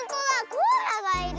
コアラがいる。